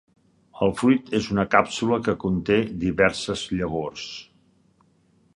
El fruit és una càpsula que conté diverses llavors.